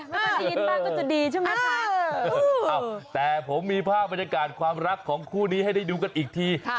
ไม่ได้ยินบ้างก็จะดีใช่ไหมคะแต่ผมมีภาพบรรยากาศความรักของคู่นี้ให้ได้ดูกันอีกที